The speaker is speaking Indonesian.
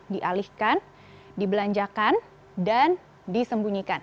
dialihkan dibelanjakan dan disembunyikan